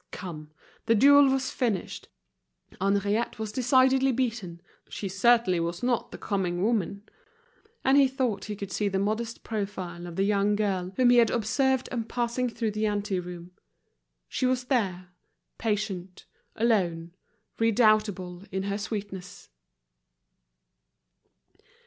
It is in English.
Come! the duel was finished, Henriette was decidedly beaten, she certainly was not the coming woman. And he thought he could see the modest profile of the young girl whom he had observed on passing through the ante room. She was there, patient, alone, redoubtable in her sweetness.